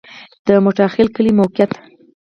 د موټاخیل کلی موقعیت